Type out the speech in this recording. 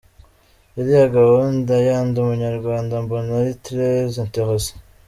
Iriya gahunda ya « Ndi umunyarwanda » mbona ari très intéressant .